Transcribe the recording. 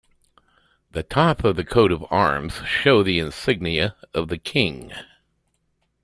The top of the coat of arms show the insignia of the King.